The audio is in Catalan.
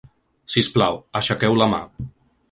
Si us plau, aixequeu la mà.